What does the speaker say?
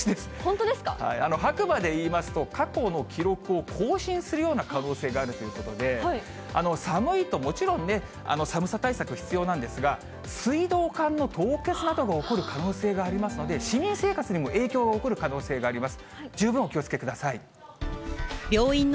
白馬でいいますと、過去の記録を更新するような可能性があるということで、寒いともちろんね、寒さ対策必要なんですが、水道管の凍結などが起こる可能性がありますので、市民生活にも影響が起こる可能性があります。